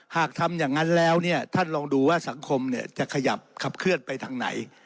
หากทำอย่างนั้นแล้วเนี่ยท่านลองดูว่าสังคมจะขยับขับเคลื่อนไปทางไหน